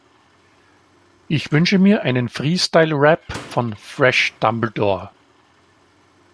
Ich wünsche mir einen Freestyle-Rap von Fresh Dumbledore.